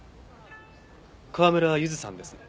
川村ゆずさんですね。